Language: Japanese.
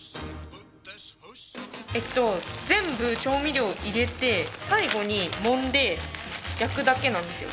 えっと全部調味料入れて最後にもんで焼くだけなんですよ。